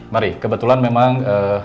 mari kebetulan memang